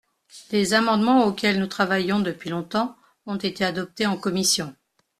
Des amendements auxquels nous travaillions depuis longtemps ont été adoptés en commission.